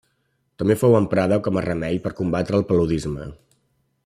També fou emprada com a remei per combatre el paludisme.